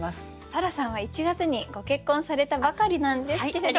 沙羅さんは１月にご結婚されたばかりなんですけれども。